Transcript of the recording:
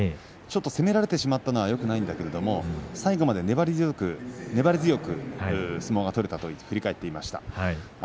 攻められてしまったのはよくないんだけれども最後まで粘り強く相撲が取れたと振り返っていました。